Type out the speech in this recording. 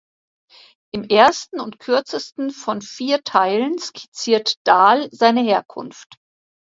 Im ersten und kürzesten von vier Teilen skizziert Dahl seine Herkunft.